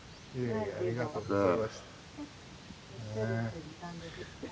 いやいやありがとうございました。